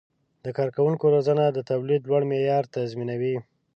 د کارکوونکو روزنه د تولید لوړ معیار تضمینوي.